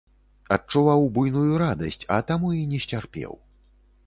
Адчуваў буйную радасць, а таму і не сцярпеў.